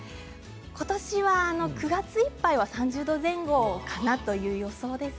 今年は９月いっぱいは３０度前後かなという予想です。